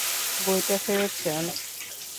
বইটা ফেরত চান?